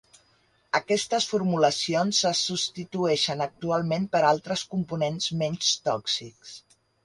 Aquestes formulacions se substitueixen actualment per altres components menys tòxics.